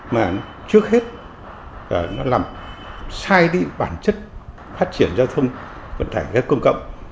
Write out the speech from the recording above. mà trước hết nó làm sai đi bản chất phát triển giao thông vận tải rất công cộng